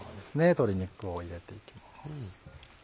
鶏肉を入れていきます。